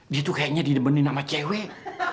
dia tuh kayaknya didebenin sama cewek